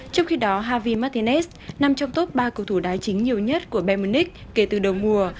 trong khi đó javi martinez nằm trong top ba cầu thủ đá chính nhiều nhất của bayern munich kể từ đầu mùa